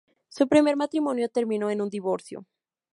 Su primer matrimonio terminó en un divorcio.